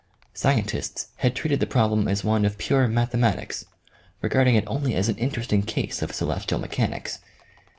Scientists had treated the problem as one of pure mathematics, regarding it only as an interesting case of celestial mechanics.